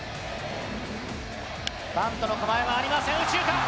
バットの構えがありません、右中間。